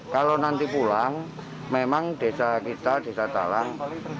kalau nanti pulang memang desa kita desa talang